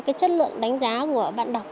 cái chất lượng đánh giá của bạn đọc